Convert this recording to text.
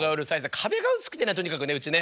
壁が薄くてねとにかくねうちね。